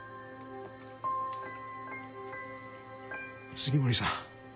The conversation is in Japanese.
杉森さん